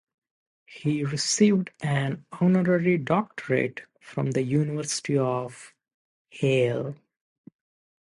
He received an honorary doctorate from the University of Halle.